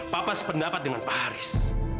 papa sependapat dengan pak haris